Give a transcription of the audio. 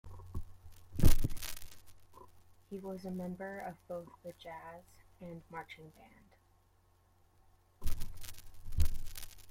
He was a member of both the jazz and marching band.